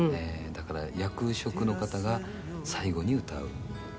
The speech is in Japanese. だから役職の方が最後に歌う。